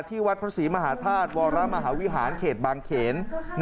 วัดพระศรีมหาธาตุวรมหาวิหารเขตบางเขน